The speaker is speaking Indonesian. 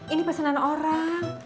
ini pesanan orang